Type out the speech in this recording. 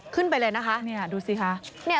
ขึ้นไปเลยนะคะ